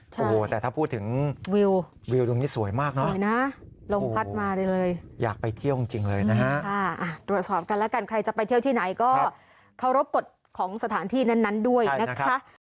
โอ้โหแต่ถ้าพูดถึงวิววิวตรงนี้สวยมากนะสวยนะลมพัดมาได้เลยอยากไปเที่ยวจริงเลยนะฮะตรวจสอบกันแล้วกันใครจะไปเที่ยวที่ไหนก็เคารพกฎของสถานที่นั้นด้วยนะคะ